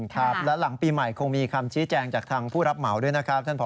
ครับและหลังปีใหม่คงมีคำชี้แจงจากทางผู้รับเหมาด้วยนะครับท่านพอ